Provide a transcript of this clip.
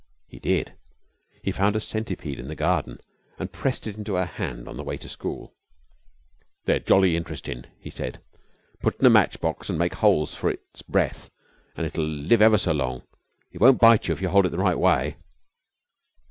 He did. He found a centipede in the garden and pressed it into her hand on the way to school. "They're jolly int'restin'," he said. "Put it in a match box and make holes for its breath and it'll live ever so long. It won't bite you if you hold it the right way."